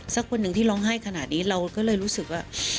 สักคนหนึ่งที่ร้องไห้ขนาดนี้เราก็เลยรู้สึกว่า